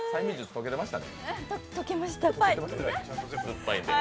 とけました。